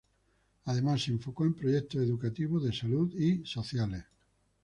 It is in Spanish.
Además, se enfocó en proyectos educativos, de salud y sociales.